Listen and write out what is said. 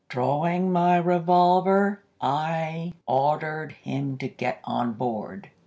Drawing my revolver, I ordered him to get on board.